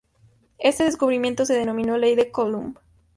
Este descubrimiento se denominó Ley de Coulomb.